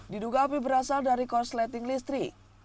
diduga api berasal dari korsleting listrik